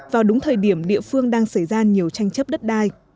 vào đúng thời điểm địa phương đang xảy ra nhiều tranh chấp đất đai